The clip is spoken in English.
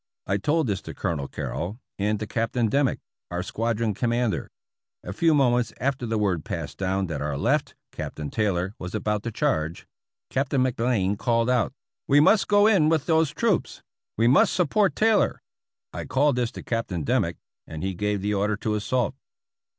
I told this to Colonel Carrol, and to Captain Dimmick, our squadron commander. A few mo ments after the word passed down that our left (Captain Taylor) was about to charge. Captain McBlain called out, ' we must go in with those troops ; we must support Tay lor.' I called this to Captain Dimmick, and he gave the order to assault."